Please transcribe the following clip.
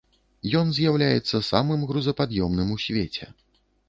Ён з'яўляецца самым грузапад'ёмным ў свеце.